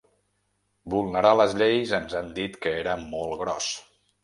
Vulnerar les lleis ens han dit que era molt gros.